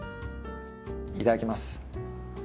いただきます。